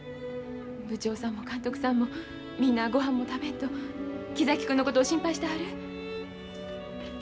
部長さんも監督さんもみんなごはんも食べんと木崎君のことを心配してはる。